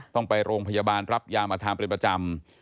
ต้องไปโรงพยาบาลรับยามาทานเป็นประจำ